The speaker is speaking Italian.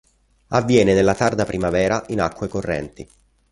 Avviene nella tarda primavera in acque correnti.